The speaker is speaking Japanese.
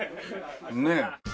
ねえ。